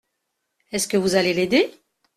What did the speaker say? Est-ce que vous allez l’aider ?